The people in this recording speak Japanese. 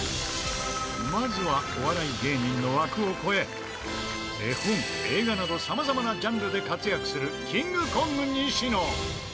まずはお笑い芸人の枠を超え絵本映画などさまざまなジャンルで活躍するキングコング西野。